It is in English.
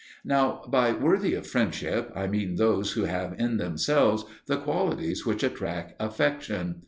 Now, by "worthy of friendship" I mean those who have in themselves the qualities which attract affection.